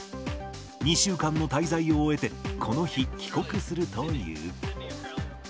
２週間の滞在を終えて、この日、帰国するという。